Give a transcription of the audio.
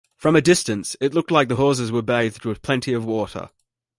From a distance, it looked like the horses were bathed with plenty of water.